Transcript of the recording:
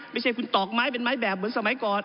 ไม่ใช่คุณตอกไม้เป็นไม้แบบเหมือนสมัยก่อน